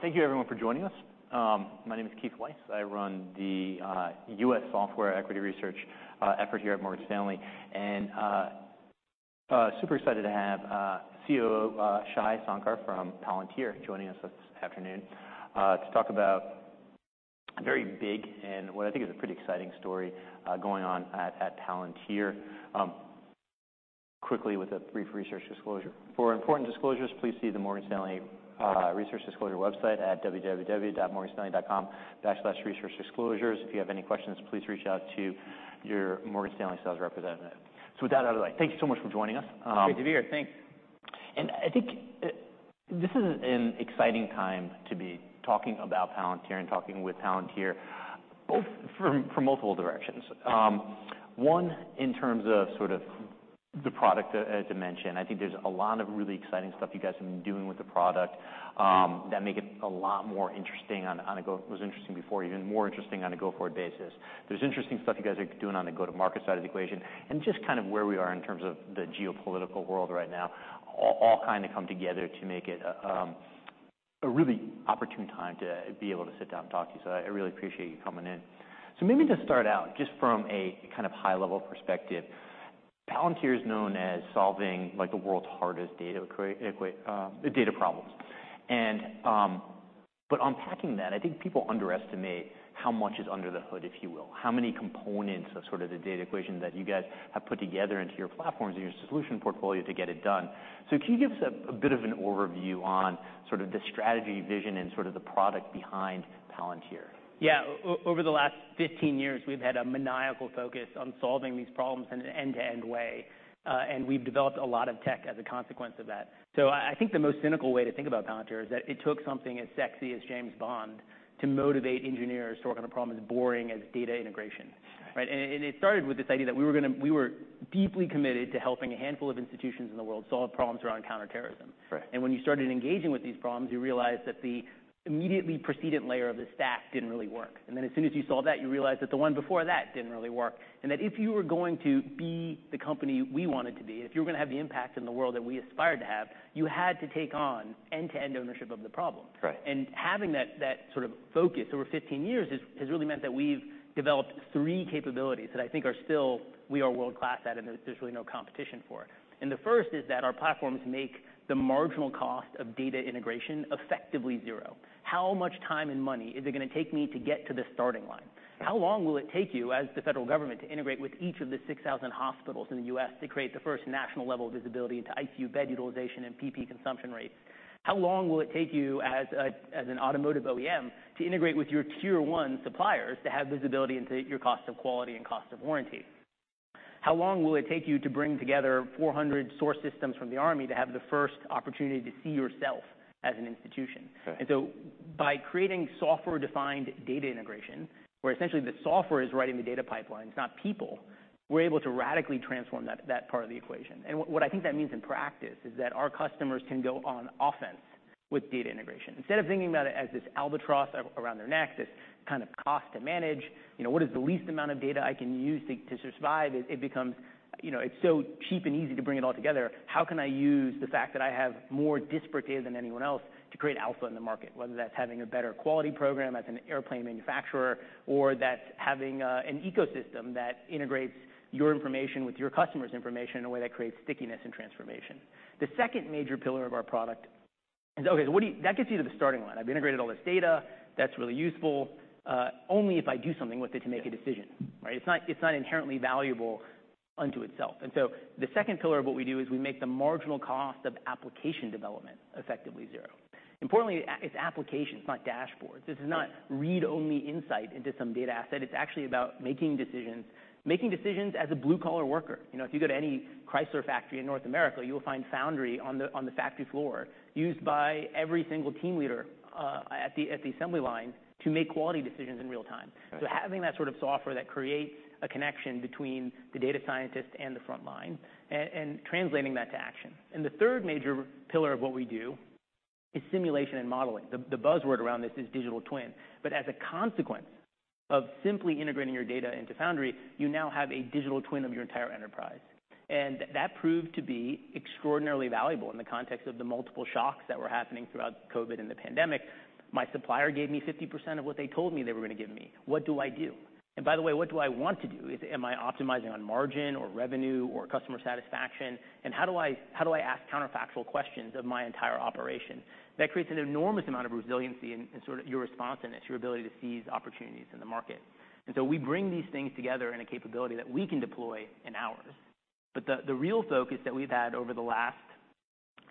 Thank you everyone for joining us. My name is Keith Weiss. I run the U.S. Software Equity Research effort here at Morgan Stanley. Super excited to have COO Shyam Sankar from Palantir joining us this afternoon to talk about very big and what I think is a pretty exciting story going on at Palantir. Quickly with a brief research disclosure. For important disclosures, please see the Morgan Stanley research disclosure website at www.morganstanley.com/researchdisclosures. If you have any questions, please reach out to your Morgan Stanley sales representative. With that out of the way, thank you so much for joining us. Great to be here. Thanks. I think this is an exciting time to be talking about Palantir and talking with Palantir, both from multiple directions. One, in terms of sort of the product, as you mentioned, I think there's a lot of really exciting stuff you guys have been doing with the product, that make it a lot more interesting on a go-forward basis. It was interesting before, even more interesting on a go-forward basis. There's interesting stuff you guys are doing on the go-to-market side of the equation, and just kind of where we are in terms of the geopolitical world right now, all kind come together to make it a really opportune time to be able to sit down and talk to you. I really appreciate you coming in. Maybe to start out, just from a kind of high level perspective, Palantir is known as solving, like, the world's hardest data problems. Unpacking that, I think people underestimate how much is under the hood, if you will, how many components of sort of the data equation that you guys have put together into your platforms and your solution portfolio to get it done. Can you give us a bit of an overview on sort of the strategy, vision, and sort of the product behind Palantir? Yeah. Over the last 15 years, we've had a maniacal focus on solving these problems in an end-to-end way, and we've developed a lot of tech as a consequence of that. I think the most cynical way to think about Palantir is that it took something as sexy as James Bond to motivate engineers to work on a problem as boring as data integration. Right. Right? It started with this idea that we were deeply committed to helping a handful of institutions in the world solve problems around counterterrorism. Right. When you started engaging with these problems, you realized that the immediately precedent layer of the stack didn't really work. As soon as you solved that, you realized that the one before that didn't really work, and that if you were going to be the company we wanted to be, and if you were gonna have the impact in the world that we aspired to have, you had to take on end-to-end ownership of the problem. Right. Having that sort of focus over 15 years has really meant that we've developed three capabilities that I think we are still world-class at, and there's really no competition for. The first is that our platforms make the marginal cost of data integration effectively zero. How much time and money is it gonna take me to get to the starting line? How long will it take you as the federal government to integrate with each of the 6,000 hospitals in the U.S. to create the first national level of visibility into ICU bed utilization and PPE consumption rates? How long will it take you as an automotive OEM to integrate with your tier one suppliers to have visibility into your cost of quality and cost of warranty? How long will it take you to bring together 400 source systems from the Army to have the first opportunity to see yourself as an institution? Right. By creating software-defined data integration, where essentially the software is writing the data pipelines, not people, we're able to radically transform that part of the equation. What I think that means in practice is that our customers can go on offense with data integration. Instead of thinking about it as this albatross around their neck, this kind of cost to manage, you know, what is the least amount of data I can use to survive, it becomes, you know, it's so cheap and easy to bring it all together, how can I use the fact that I have more disparate data than anyone else to create alpha in the market, whether that's having a better quality program as an airplane manufacturer, or that's having an ecosystem that integrates your information with your customer's information in a way that creates stickiness and transformation. The second major pillar of our product is that gets you to the starting line. I've integrated all this data. That's really useful. Only if I do something with it to make a decision, right? It's not inherently valuable unto itself. The second pillar of what we do is we make the marginal cost of application development effectively zero. Importantly, it's application, it's not dashboards. This is not read-only insight into some data asset. It's actually about making decisions, making decisions as a blue collar worker. You know, if you go to any Chrysler factory in North America, you will find Foundry on the factory floor used by every single team leader at the assembly line to make quality decisions in real time. Right. Having that sort of software that creates a connection between the data scientist and the front line and translating that to action. The third major pillar of what we do is simulation and modeling. The buzzword around this is digital twin. As a consequence of simply integrating your data into Foundry, you now have a digital twin of your entire enterprise. That proved to be extraordinarily valuable in the context of the multiple shocks that were happening throughout COVID and the pandemic. My supplier gave me 50% of what they told me they were gonna give me. What do I do? By the way, what do I want to do? Am I optimizing on margin or revenue or customer satisfaction? How do I ask counterfactual questions of my entire operation? That creates an enormous amount of resiliency and sort of your responsiveness, your ability to seize opportunities in the market. We bring these things together in a capability that we can deploy in hours. The real focus that we've had over the last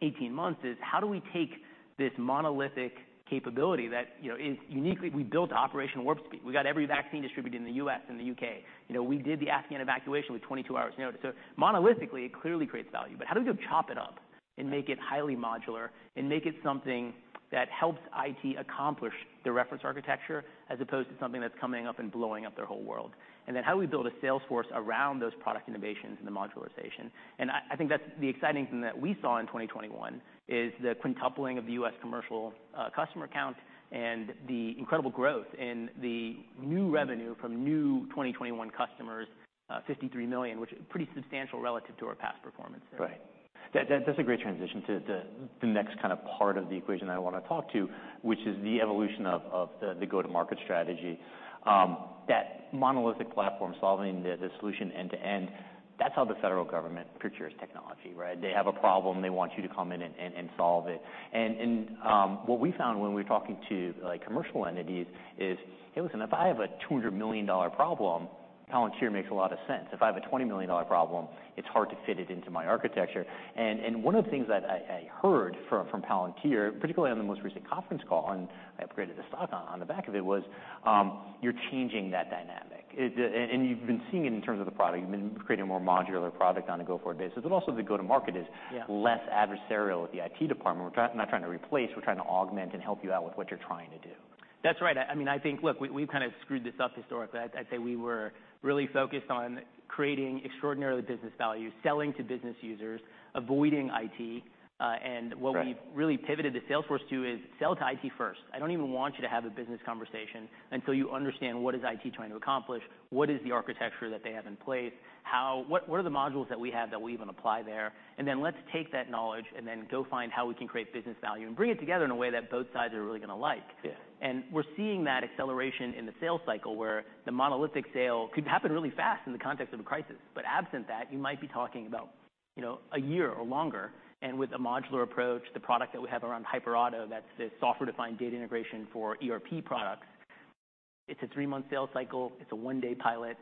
18 months is how do we take this monolithic capability that, you know, is uniquely. We built Operation Warp Speed. We got every vaccine distributed in the U.S. and the U.K. You know, we did the Afghan evacuation with 22 hours notice. Monolithically, it clearly creates value. How do we chop it up and make it highly modular and make it something that helps IT accomplish the reference architecture as opposed to something that's coming up and blowing up their whole world? How do we build a sales force around those product innovations and the modularization? I think that's the exciting thing that we saw in 2021 is the quintupling of the U.S. commercial customer count and the incredible growth in the new revenue from new 2021 customers, $53 million, which is pretty substantial relative to our past performance. Right. That's a great transition to the next kind of part of the equation I wanna talk to, which is the evolution of the go-to-market strategy. That monolithic platform solving the solution end to end, that's how the federal government pictures technology, right? They have a problem, they want you to come in and solve it. What we found when we're talking to, like, commercial entities is, hey, listen, if I have a $200 million problem, Palantir makes a lot of sense. If I have a $20 million problem, it's hard to fit it into my architecture. One of the things that I heard from Palantir, particularly on the most recent conference call, and I upgraded the stock on the back of it, was, you're changing that dynamic. Is the... You've been seeing it in terms of the product. You've been creating a more modular product on the go-forward basis, but also the go-to-market is- Yeah.... less adversarial at the IT department. We're not trying to replace, we're trying to augment and help you out with what you're trying to do. That's right. I mean, I think, look, we've kind of screwed this up historically. I'd say we were really focused on creating extraordinary business value, selling to business users, avoiding IT, and what- Right. We've really pivoted the sales force to sell to IT first. I don't even want you to have a business conversation until you understand what IT is trying to accomplish, what the architecture is that they have in place, what the modules are that we have that we even apply there, and then let's take that knowledge and then go find how we can create business value and bring it together in a way that both sides are really gonna like. Yeah. We're seeing that acceleration in the sales cycle where the monolithic sale could happen really fast in the context of a crisis, but absent that, you might be talking about, you know, a year or longer. With a modular approach, the product that we have around HyperAuto, that's the software-defined data integration for ERP products, it's a three-month sales cycle, it's a one-day pilot,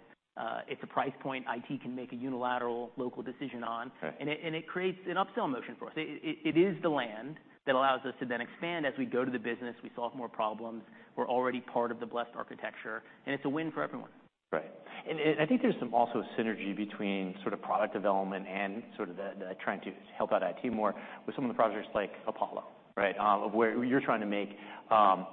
it's a price point IT can make a unilateral local decision on. Right. It creates an upsell motion for us. It is the land that allows us to then expand. As we go to the business, we solve more problems. We're already part of the blessed architecture, and it's a win for everyone. Right. I think there's some also synergy between sort of product development and sort of the trying to help out IT more with some of the projects like Apollo, right? You're trying to make the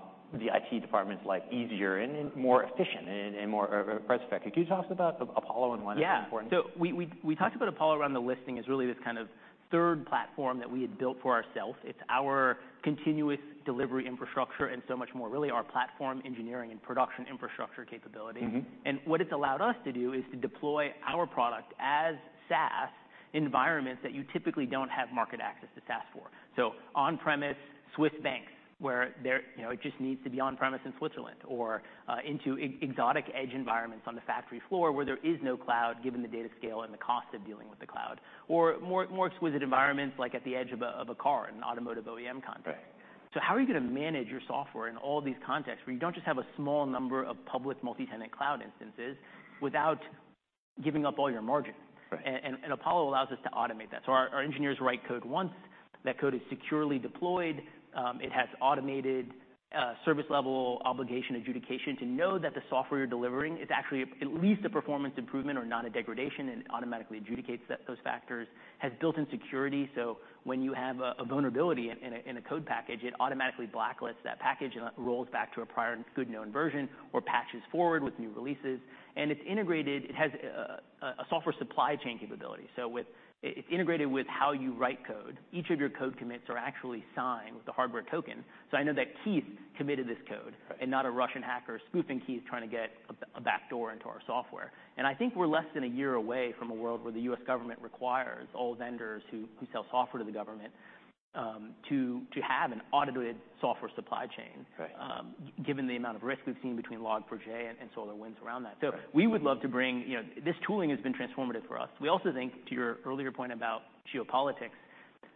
IT department's life easier and more efficient and more cost-effective. Can you talk to us about Apollo and why that's important? Yeah. We talked about Apollo around the listing as really this kind of third platform that we had built for ourselves. It's our continuous delivery infrastructure and so much more really our platform engineering and production infrastructure capability. What it's allowed us to do is to deploy our product as SaaS environments that you typically don't have market access to SaaS for. So on-premise Swiss banks, where there, you know, it just needs to be on-premise in Switzerland or into exotic edge environments on the factory floor where there is no cloud given the data scale and the cost of dealing with the cloud. Or more exquisite environments like at the edge of a car in an automotive OEM context. Right. How are you gonna manage your software in all these contexts where you don't just have a small number of public multi-tenant cloud instances without giving up all your margin? Right. Apollo allows us to automate that. Our engineers write code once. That code is securely deployed. It has automated service level obligation adjudication to know that the software you're delivering is actually at least a performance improvement or not a degradation, and it automatically adjudicates that, those factors. It has built-in security, so when you have a vulnerability in a code package, it automatically blacklists that package and rolls back to a prior good known version or patches forward with new releases. It's integrated. It has a software supply chain capability. It's integrated with how you write code. Each of your code commits are actually signed with a hardware token. I know that Keith committed this code- Right. -not a Russian hacker spoofing Keith trying to get a backdoor into our software. I think we're less than a year away from a world where the U.S. government requires all vendors who sell software to the government to have an audited software supply chain- Right. -given the amount of risk we've seen between Log4j and SolarWinds around that. Right. We would love to bring, you know, this tooling has been transformative for us. We also think, to your earlier point about geopolitics,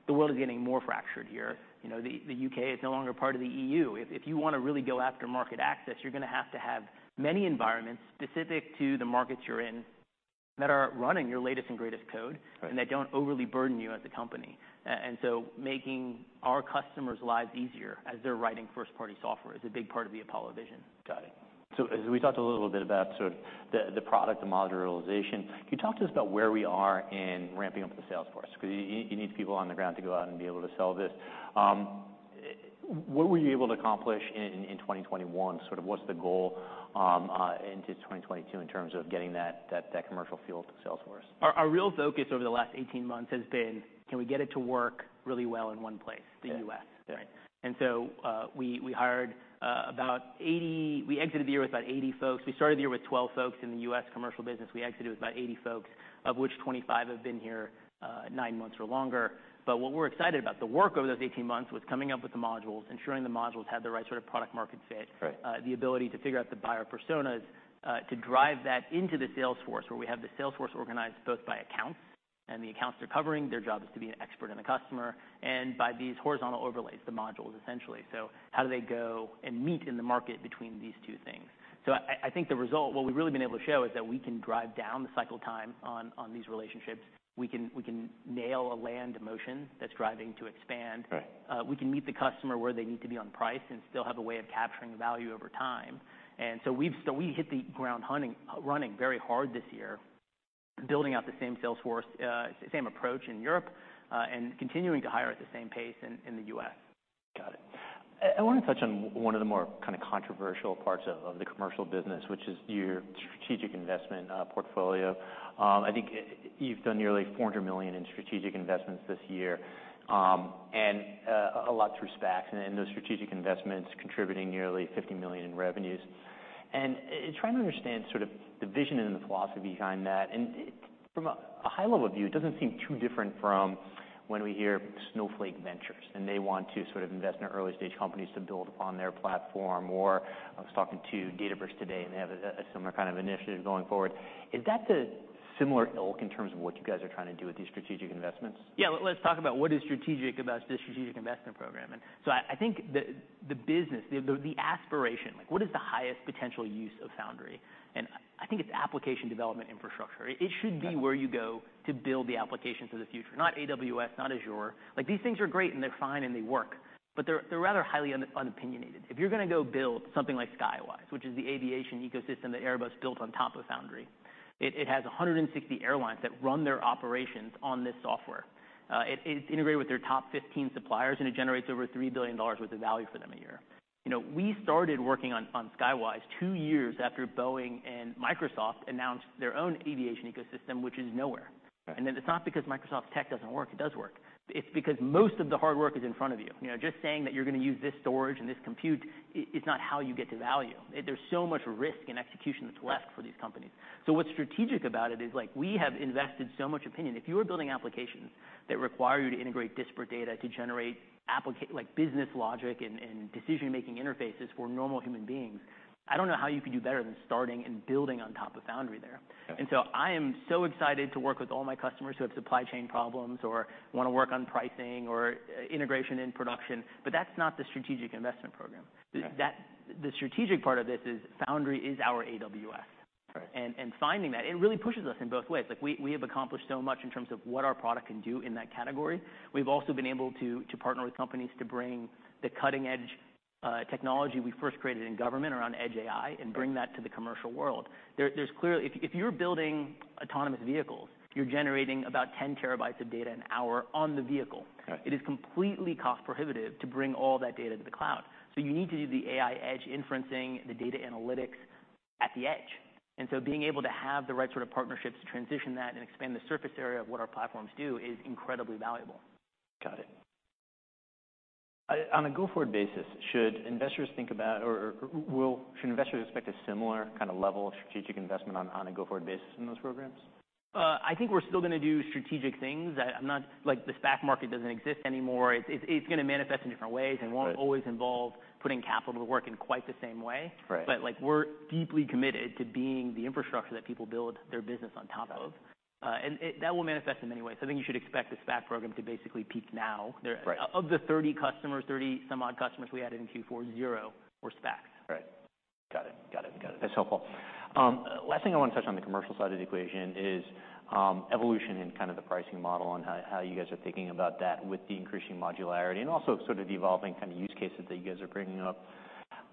the world is getting more fractured here. You know, the U.K. is no longer part of the EU. If you wanna really go after market access, you're gonna have to have many environments specific to the markets you're in that are running your latest and greatest code. Right.... that don't overly burden you as a company. Making our customers' lives easier as they're writing first-party software is a big part of the Apollo vision. Got it. As we talked a little bit about sort of the product and modularization, can you talk to us about where we are in ramping up the sales force? 'Cause you need people on the ground to go out and be able to sell this. What were you able to accomplish in 2021? Sort of what's the goal into 2022 in terms of getting that commercial full to sales force? Our real focus over the last 18 months has been, can we get it to work really well in one place, the U.S.? Yeah. Right. We exited the year with about 80 folks. We started the year with 12 folks in the U.S. commercial business. We exited with about 80 folks, of which 25 have been here 9 months or longer. What we're excited about, the work over those 18 months was coming up with the modules, ensuring the modules had the right sort of product market fit. Right. The ability to figure out the buyer personas, to drive that into the sales force, where we have the sales force organized both by accounts, and the accounts they're covering, their job is to be an expert in the customer, and by these horizontal overlays, the modules essentially. How do they go and meet in the market between these two things? I think the result, what we've really been able to show is that we can drive down the cycle time on these relationships. We can nail a land-and-expand motion that's driving to expand. Right. We can meet the customer where they need to be on price and still have a way of capturing the value over time. We hit the ground running very hard this year, building out the same sales force, same approach in Europe, and continuing to hire at the same pace in the U.S. Got it. I wanna touch on one of the more controversial parts of the commercial business, which is your strategic investment portfolio. I think you've done nearly $400 million in strategic investments this year, and a lot through SPACs and those strategic investments contributing nearly $50 million in revenues. Trying to understand sort of the vision and the philosophy behind that. From a high-level view, it doesn't seem too different from when we hear Snowflake Ventures, and they want to sort of invest in early-stage companies to build upon their platform. Or I was talking to Databricks today, and they have a similar kind of initiative going forward. Is that the similar ilk in terms of what you guys are trying to do with these strategic investments? Yeah. Let's talk about what is strategic about the strategic investment program. I think the business, the aspiration, like what is the highest potential use of Foundry? I think it's application development infrastructure. It should be where you go to build the applications of the future, not AWS, not Azure. Like, these things are great and they're fine and they work, but they're rather highly unopinionated. If you're going to go build something like Skywise, which is the aviation ecosystem that Airbus built on top of Foundry, it has 160 airlines that run their operations on this software. It's integrated with their top 15 suppliers, and it generates over $3 billion worth of value for them a year. You know, we started working on Skywise two years after Boeing and Microsoft announced their own aviation ecosystem, which is nowhere. Right. It's not because Microsoft's tech doesn't work. It does work. It's because most of the hard work is in front of you. You know, just saying that you're going to use this storage and this compute is not how you get to value. There's so much risk and execution that's left for these companies. What's strategic about it is, like, we have invested so much opinion. If you are building applications that require you to integrate disparate data to generate like business logic and decision-making interfaces for normal human beings, I don't know how you could do better than starting and building on top of Foundry there. Okay. I am so excited to work with all my customers who have supply chain problems or want to work on pricing or integration in production, but that's not the strategic investment program. Okay. The strategic part of this is Foundry is our AWS. Right. Finding that, it really pushes us in both ways. Like, we have accomplished so much in terms of what our product can do in that category. We've also been able to partner with companies to bring the cutting-edge technology we first created in government around Edge AI and bring that to the commercial world. There's clearly if you're building autonomous vehicles, you're generating about 10 TB of data an hour on the vehicle. Okay. It is completely cost prohibitive to bring all that data to the cloud, so you need to do the AI edge inferencing, the data analytics at the edge. Being able to have the right sort of partnerships to transition that and expand the surface area of what our platforms do is incredibly valuable. Got it. On a go-forward basis, should investors expect a similar kind of level of strategic investment on a go-forward basis in those programs? I think we're still going to do strategic things. Like, the SPAC market doesn't exist anymore. It's going to manifest in different ways. Right. It won't always involve putting capital to work in quite the same way. Right. Like, we're deeply committed to being the infrastructure that people build their business on top of. And that will manifest in many ways. I think you should expect the SPAC program to basically peak now- Right. -of the 30-some-odd customers we added in Q4, 0 were SPACs. Right. Got it. That's helpful. Last thing I want to touch on the commercial side of the equation is, evolution in kind of the pricing model and how you guys are thinking about that with the increasing modularity and also sort of the evolving kind of use cases that you guys are bringing up.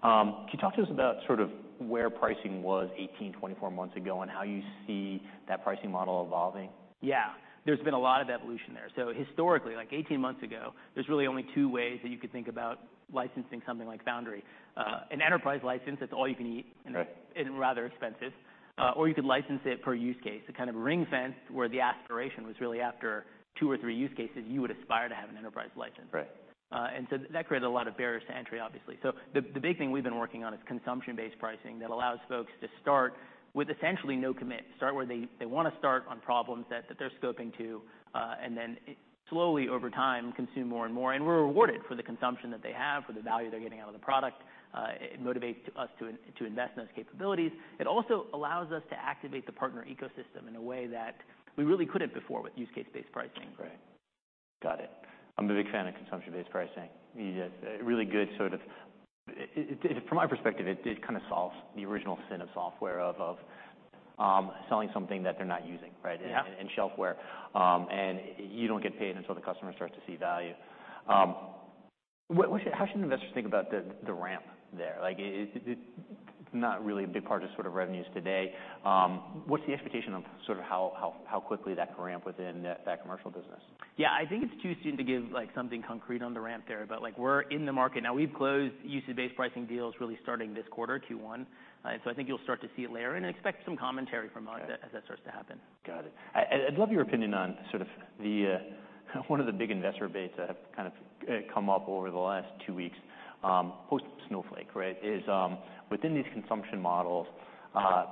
Can you talk to us about sort of where pricing was 18, 24 months ago and how you see that pricing model evolving? Yeah. There's been a lot of evolution there. Historically, like 18 months ago, there's really only two ways that you could think about licensing something like Foundry. An enterprise license, that's all you can eat. Right. Rather expensive, or you could license it per use case to kind of ring-fence where the aspiration was really after two or three use cases, you would aspire to have an enterprise license. Right. That created a lot of barriers to entry, obviously. The big thing we've been working on is consumption-based pricing that allows folks to start with essentially no commit. Start where they want to start on problems that they're scoping to, and then slowly over time consume more and more. We're rewarded for the consumption that they have, for the value they're getting out of the product. It motivates us to invest in those capabilities. It also allows us to activate the partner ecosystem in a way that we really couldn't before with use case-based pricing. Right. Got it. I'm a big fan of consumption-based pricing. From my perspective, it kind of solves the original sin of software of selling something that they're not using, right? Yeah. Shelfware. You don't get paid until the customer starts to see value. How should investors think about the ramp there? Like, it's not really a big part of sort of revenues today. What's the expectation of sort of how quickly that could ramp within that commercial business? Yeah. I think it's too soon to give, like, something concrete on the ramp there. Like, we're in the market now. We've closed usage-based pricing deals really starting this quarter, Q1. I think you'll start to see it layer in, and expect some commentary from us. Okay. As that starts to happen. Got it. I'd love your opinion on sort of the one of the big investor bases that have kind of come up over the last two weeks post Snowflake, right? Within these consumption models,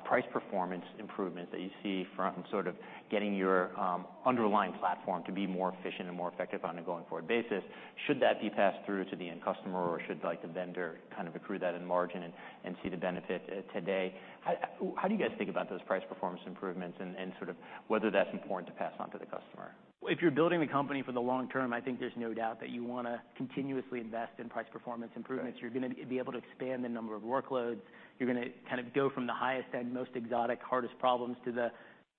price performance improvements that you see from sort of getting your underlying platform to be more efficient and more effective on a going forward basis, should that be passed through to the end customer, or should the vendor kind of accrue that in margin and see the benefit today? How do you guys think about those price performance improvements and sort of whether that's important to pass on to the customer? If you're building the company for the long term, I think there's no doubt that you want to continuously invest in price performance improvements. Right. You're gonna be able to expand the number of workloads. You're gonna kind of go from the highest end, most exotic, hardest problems to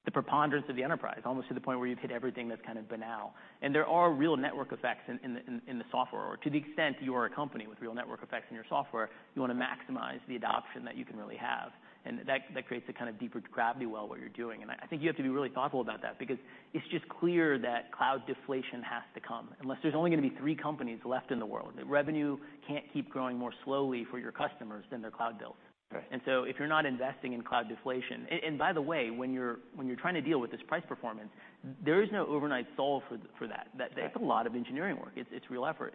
the preponderance of the enterprise, almost to the point where you've hit everything that's kind of banal. There are real network effects in the software. To the extent you are a company with real network effects in your software, you want to maximize the adoption that you can really have. That creates a kind of deeper gravity well, what you're doing. I think you have to be really thoughtful about that because it's just clear that cloud deflation has to come. Unless there's only going to be three companies left in the world, the revenue can't keep growing more slowly for your customers than their cloud bills. Right. If you're not investing in cloud deflation. And by the way, when you're trying to deal with this price performance, there is no overnight solve for that. Right. That's a lot of engineering work. It's real effort.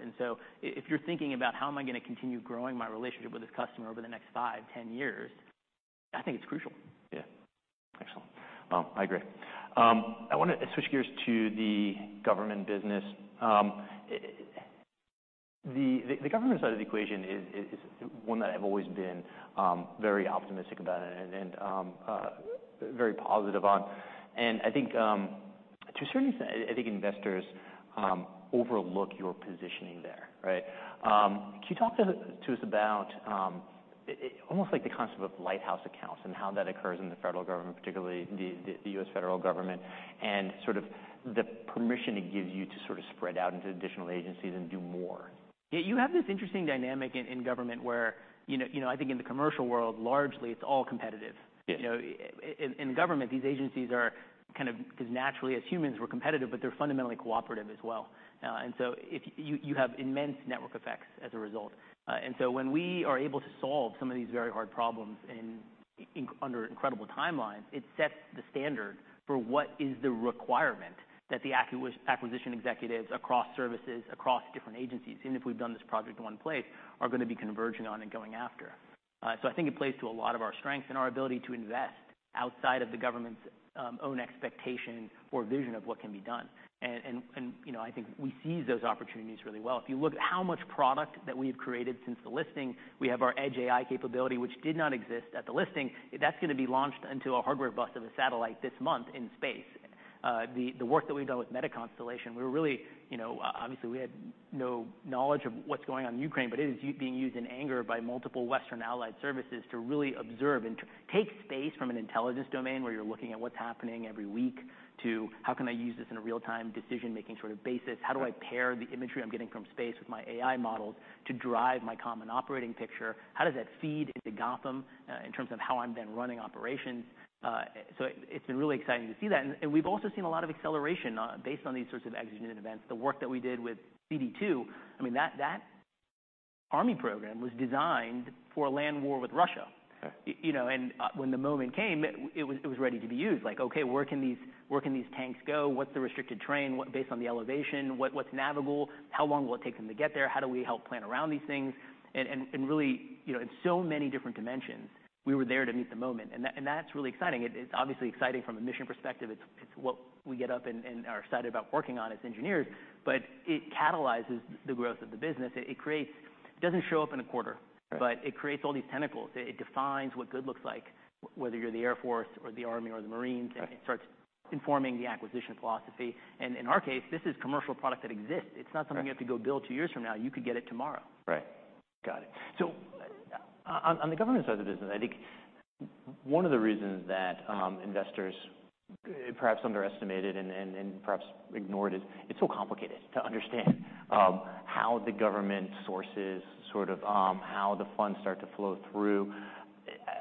If you're thinking about how am I going to continue growing my relationship with this customer over the next 5, 10 years, I think it's crucial. Yeah. I agree. I wanna switch gears to the government business. The government side of the equation is one that I've always been very optimistic about and very positive on. I think, to a certain extent, I think investors overlook your positioning there, right? Right. Can you talk to us about almost like the concept of lighthouse accounts and how that occurs in the federal government, particularly the U.S. federal government, and sort of the permission it gives you to sort of spread out into additional agencies and do more? Yeah. You have this interesting dynamic in government where, you know, I think in the commercial world, largely it's all competitive. Yeah. You know, in government, these agencies are kind of naturally, as humans we're competitive, but they're fundamentally cooperative as well. If you have immense network effects as a result. When we are able to solve some of these very hard problems in under incredible timelines, it sets the standard for what is the requirement that the acquisition executives across services, across different agencies, even if we've done this project in one place, are gonna be converging on and going after. I think it plays to a lot of our strengths and our ability to invest outside of the government's own expectation or vision of what can be done. You know, I think we seize those opportunities really well. If you look at how much product that we have created since the listing, we have our Edge AI capability, which did not exist at the listing. That's gonna be launched into a hardware bus of a satellite this month in space. The work that we've done with MetaConstellation, we were really, you know, obviously, we had no knowledge of what's going on in Ukraine, but it is being used in anger by multiple Western allied services to really observe and to take space from an intelligence domain, where you're looking at what's happening every week, to how can I use this in a real-time decision-making sort of basis? Right. How do I pair the imagery I'm getting from space with my AI models to drive my common operating picture? How does that feed into Gotham in terms of how I'm then running operations? It's been really exciting to see that. We've also seen a lot of acceleration based on these sorts of exigent events. The work that we did with CDID, I mean, that Army program was designed for a land war with Russia. Okay. You know, when the moment came, it was ready to be used. Like, okay, where can these tanks go? What's the restricted terrain based on the elevation? What's navigable? How long will it take them to get there? How do we help plan around these things? Really, you know, in so many different dimensions, we were there to meet the moment. That's really exciting. It's obviously exciting from a mission perspective. It's what we get up and are excited about working on as engineers. It catalyzes the growth of the business. It creates. It doesn't show up in a quarter. Right. It creates all these tentacles. It defines what good looks like, whether you're the Air Force or the Army or the Marines. Right. It starts informing the acquisition philosophy. In our case, this is commercial product that exists. Right. It's not something you have to go build 2 years from now. You could get it tomorrow. Right. Got it. On the government side of the business, I think one of the reasons that investors perhaps underestimated and perhaps ignored is it's so complicated to understand how the government sources, sort of, how the funds start to flow through.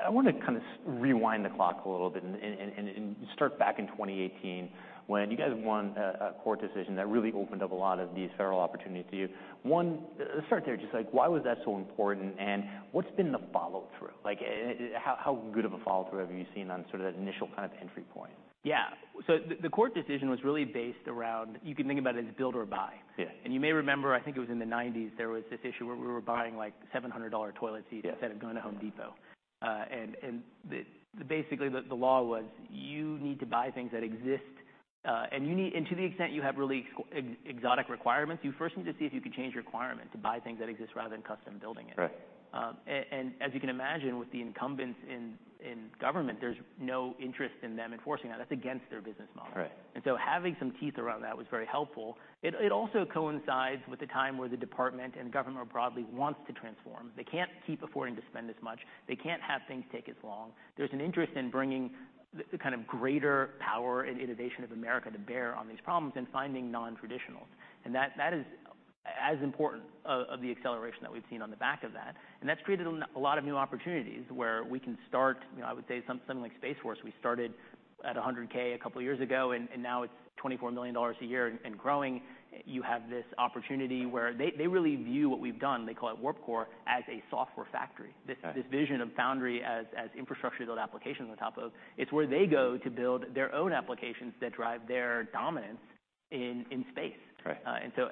I wanna kind of rewind the clock a little bit and start back in 2018 when you guys won a court decision that really opened up a lot of these federal opportunities to you. One, let's start there. Just like, why was that so important, and what's been the follow-through? Like how good of a follow-through have you seen on sort of that initial kind of entry point? Yeah. The court decision was really based around, you can think about it as build or buy. Yeah. You may remember, I think it was in the 1990s, there was this issue where we were buying like $700 toilet seats. Yeah That had gone to Home Depot. Basically, the law was, you need to buy things that exist, and to the extent you have really exotic requirements, you first need to see if you can change your requirement to buy things that exist rather than custom building it. Right. As you can imagine, with the incumbents in government, there's no interest in them enforcing that. That's against their business model. Right. Having some teeth around that was very helpful. It also coincides with the time where the department and government more broadly wants to transform. They can't keep affording to spend this much. They can't have things take as long. There's an interest in bringing the kind of greater power and innovation of America to bear on these problems and finding non-traditionals. That is as important to the acceleration that we've seen on the back of that. That's created a lot of new opportunities where we can start, you know, I would say something like Space Force, we started at $100K a couple of years ago, and now it's $24 million a year and growing. You have this opportunity where they really view what we've done, they call it Warp Core, as a software factory. Okay. This vision of Foundry as infrastructure to build applications on top of. It's where they go to build their own applications that drive their dominance in space. Right.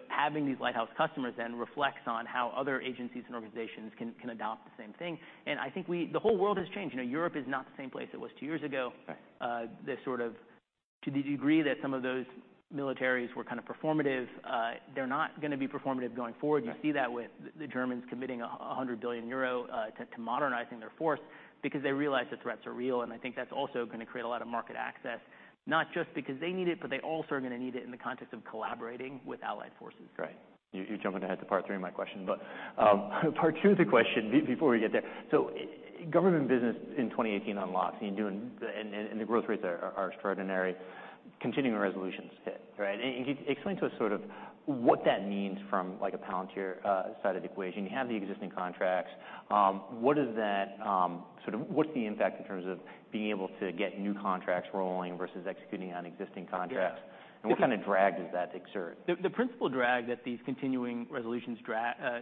Having these lighthouse customers then reflects on how other agencies and organizations can adopt the same thing. I think the whole world has changed. You know, Europe is not the same place it was two years ago. Right. This sort of, to the degree that some of those militaries were kind of performative, they're not gonna be performative going forward. Right. You see that with the Germans committing 100 billion euro to modernizing their force because they realize the threats are real. I think that's also gonna create a lot of market access, not just because they need it, but they also are gonna need it in the context of collaborating with allied forces. Right. You're jumping ahead to part three of my question, but part two of the question before we get there. Government business in 2018 unlocks, and the growth rates are extraordinary. Continuing resolutions hit, right? Can you explain to us sort of what that means from, like, a Palantir side of the equation? You have the existing contracts. What is that, sort of, what's the impact in terms of being able to get new contracts rolling versus executing on existing contracts? Yeah. What kind of drag does that exert? The principal drag that these continuing resolutions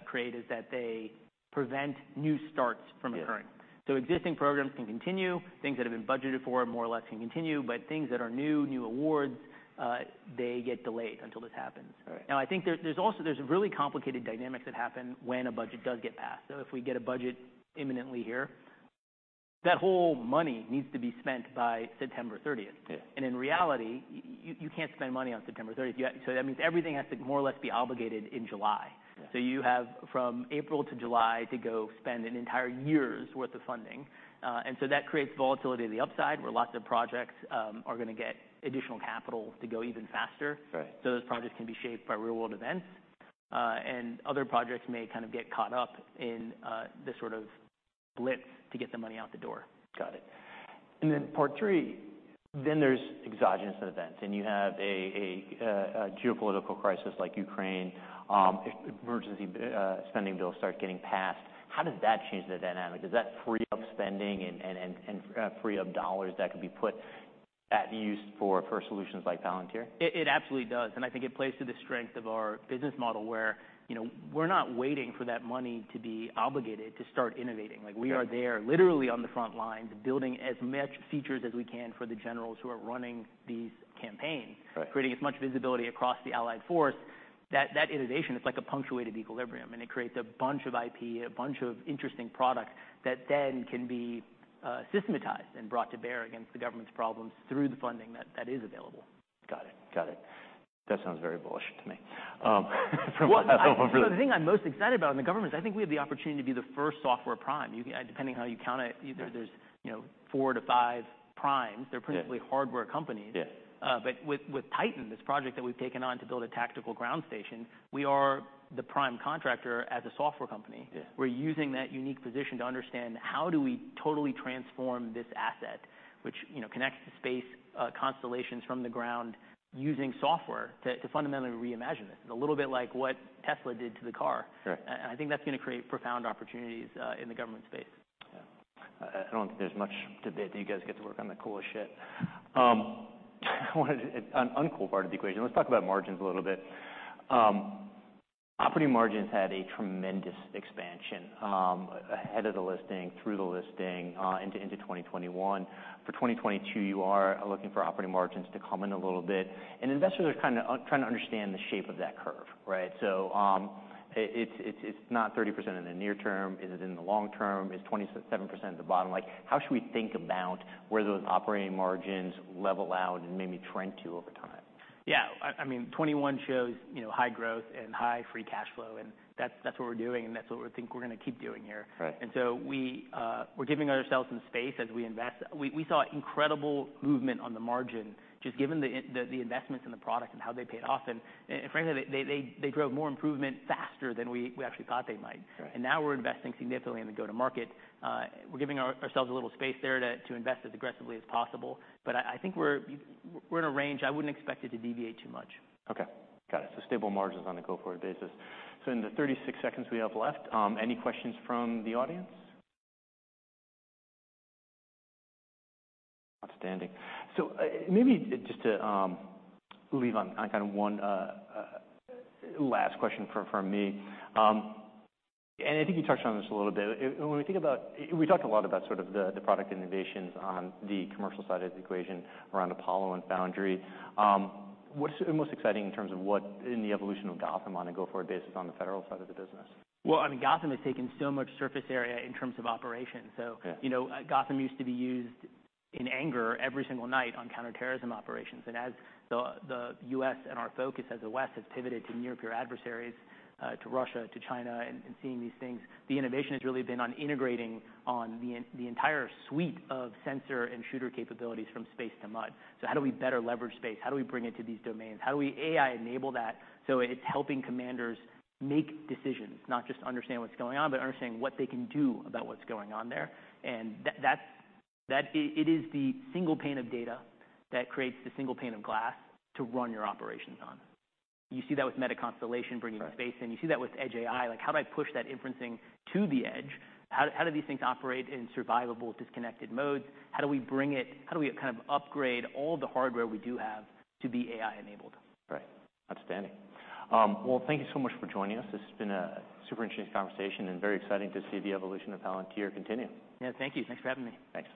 create is that they prevent new starts from occurring. Yeah. Existing programs can continue. Things that have been budgeted for more or less can continue, but things that are new awards they get delayed until this happens. Right. Now, I think there's really complicated dynamics that happen when a budget does get passed. If we get a budget imminently here, that whole money needs to be spent by September 30th. Yeah. In reality, you can't spend money on September 30th. That means everything has to more or less be obligated in July. Yeah. You have from April to July to go spend an entire year's worth of funding. That creates volatility on the upside, where lots of projects are gonna get additional capital to go even faster. Right. Those projects can be shaped by real world events. Other projects may kind of get caught up in this sort of blip to get the money out the door. Got it. Part three, there's exogenous events, and you have a geopolitical crisis like Ukraine. Emergency spending bills start getting passed. How does that change the dynamic? Does that free up spending and free up dollars that could be put to use for solutions like Palantir? It absolutely does, and I think it plays to the strength of our business model where, you know, we're not waiting for that money to be obligated to start innovating. Okay. Like, we are there literally on the front lines building as much features as we can for the generals who are running these campaigns. Right. Creating as much visibility across the allied force. That innovation is like a punctuated equilibrium, and it creates a bunch of IP, a bunch of interesting products that then can be systematized and brought to bear against the government's problems through the funding that is available. Got it. That sounds very bullish to me. Well. A whole really- The thing I'm most excited about in the government is I think we have the opportunity to be the first software prime. Depending on how you count it. Yeah Either there's, you know, 4-5 primes. Yeah. They're principally hardware companies. Yeah. With TITAN, this project that we've taken on to build a tactical ground station, we are the prime contractor as a software company. Yeah. We're using that unique position to understand how do we totally transform this asset, which, you know, connects to space constellations from the ground using software to fundamentally reimagine this. It's a little bit like what Tesla did to the car. Sure. I think that's gonna create profound opportunities in the government space. Yeah. I don't think there's much debate that you guys get to work on the coolest shit. The uncool part of the equation. Let's talk about margins a little bit. Operating margins had a tremendous expansion ahead of the listing, through the listing, into 2021. For 2022, you are looking for operating margins to come in a little bit, and investors are kinda trying to understand the shape of that curve, right? It's not 30% in the near term. Is it in the long term? Is 27% at the bottom? Like, how should we think about where those operating margins level out and maybe trend to over time? Yeah. I mean, 2021 shows, you know, high growth and high free cash flow, and that's what we're doing, and that's what we think we're gonna keep doing here. Right. We're giving ourselves some space as we invest. We saw incredible movement on the margin just given the investments in the product and how they paid off. Frankly, they drove more improvement faster than we actually thought they might. Right. Now we're investing significantly in the go-to-market. We're giving ourselves a little space there to invest as aggressively as possible. I think we're in a range I wouldn't expect it to deviate too much. Okay. Got it. Stable margins on a go-forward basis. In the 36 seconds we have left, any questions from the audience? Outstanding. Maybe just to leave on kinda one last question from me. I think you touched on this a little bit. We talked a lot about sort of the product innovations on the commercial side of the equation around Apollo and Foundry. What's most exciting in terms of the evolution of Gotham on a go-forward basis on the federal side of the business? Well, I mean, Gotham has taken so much surface area in terms of operations, so. Yeah. You know, Gotham used to be used in anger every single night on counterterrorism operations. As the U.S. and our focus as the West has pivoted to near-peer adversaries, to Russia, to China, and seeing these things, the innovation has really been on integrating the entire suite of sensor and shooter capabilities from space to mud. How do we better leverage space? How do we bring it to these domains? How do we AI-enable that so it's helping commanders make decisions, not just understand what's going on, but understanding what they can do about what's going on there. That is the single pane of data that creates the single pane of glass to run your operations on. You see that with MetaConstellation bringing- Right - space in. You see that with Edge AI. Like, how do I push that inferencing to the edge? How do these things operate in survivable disconnected modes? How do we kind of upgrade all the hardware we do have to be AI-enabled? Right. Outstanding. Well, thank you so much for joining us. This has been a super interesting conversation and very exciting to see the evolution of Palantir continue. Yeah, thank you. Thanks for having me. Thanks.